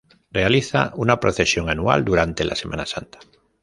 Realiza una procesión anual durante la Semana Santa.